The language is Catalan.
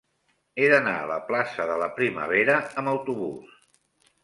He d'anar a la plaça de la Primavera amb autobús.